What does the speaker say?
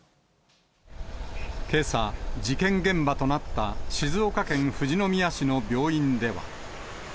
けさ、事件現場となった静岡県富士宮市の病院では。